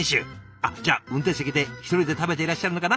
あっじゃあ運転席で一人で食べていらっしゃるのかな？